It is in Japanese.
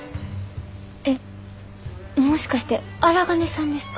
えっもしかして荒金さんですか？